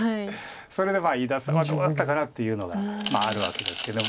それで伊田さんはどうだったかなっていうのがあるわけですけど。